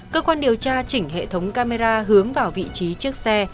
cơ quan điều tra chỉnh hệ thống camera hướng vào vị trí chiếc xe